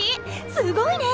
すごいね！